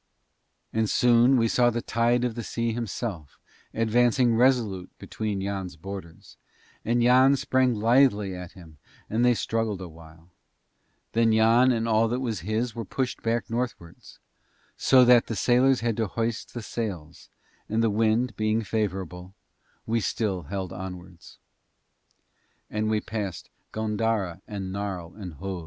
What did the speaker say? And soon we saw the tide of the Sea himself advancing resolute between Yann's borders, and Yann sprang lithely at him and they struggled a while; then Yann and all that was his were pushed back northwards, so that the sailors had to hoist the sails, and the wind being favourable, we still held onwards. And we passed Góndara and Narl and Hoz.